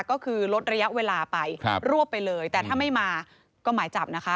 ก็คือลดระยะเวลาไปรวบไปเลยแต่ถ้าไม่มาก็หมายจับนะคะ